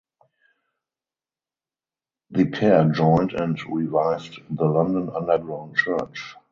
The pair joined and revived the London Underground Church.